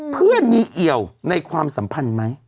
เพื่อนมีเอี่ยวในความสัมพันธ์ไหม